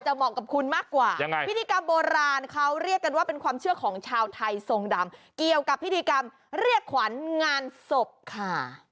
เหมาะกับคุณมากกว่ายังไงพิธีกรรมโบราณเขาเรียกกันว่าเป็นความเชื่อของชาวไทยทรงดำเกี่ยวกับพิธีกรรมเรียกขวัญงานศพค่ะ